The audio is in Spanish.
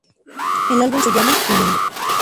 El álbum se llama "Flamingo".